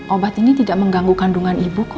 obat ini tidak mengganggu kandungan ibu kok